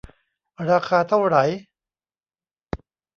ราคาเท่าไหร ?